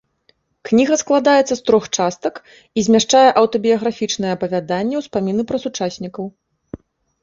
Кніга складаецца з трох частак і змяшчае аўтабіяграфічныя апавяданні, успаміны пра сучаснікаў.